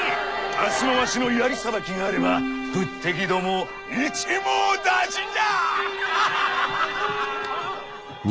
明日もわしの槍さばきがあれば仏敵どもを一網打尽じゃ！